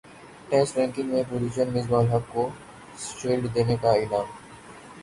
test ranking میں position Misbah ul Haq shield دینے کا اعلان